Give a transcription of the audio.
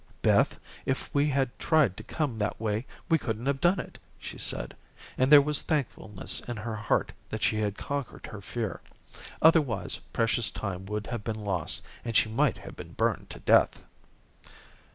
"Beth, if we had tried to come that way we couldn't have done it," she said, and there was thankfulness in her heart that she had conquered her fear. Otherwise precious time would have been lost, and she might have been burned to death.